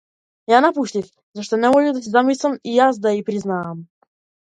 Ја напуштив зашто не можев да си замислам и јас да и признаам.